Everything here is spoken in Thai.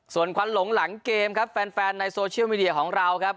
ส่วนควันหลงหลังเกมครับแฟนในโซเชียลมีเดียของเราครับ